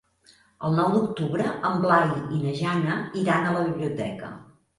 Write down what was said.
El nou d'octubre en Blai i na Jana iran a la biblioteca.